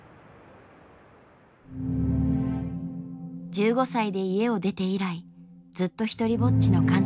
１５歳で家を出て以来ずっとひとりぼっちの貫多。